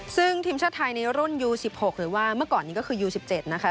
ซึ่งทีมชาติไทยในรุ่นอูสิบหกหรือว่าเมื่อก่อนนี้ก็คืออูสิบเจ็ดนะคะ